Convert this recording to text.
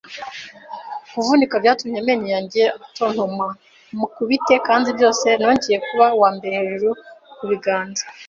kuvunika byatumye amenyo yanjye atontoma. Mukubite kandi byose, Nongeye kuba uwambere hejuru, kubiganza